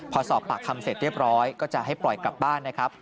พอสอบปากคำเสร็จเรียบร้อยก็จะให้ปล่อยกลับบ้านนะครับ